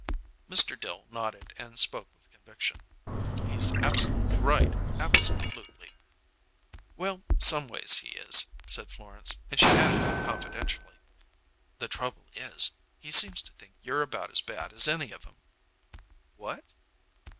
Mr. Dill nodded and spoke with conviction: "He's absolutely right; absolutely!" "Well, some ways he is," said Florence; and she added confidentially: "The trouble is, he seems to think you're about as bad as any of 'em." "What?"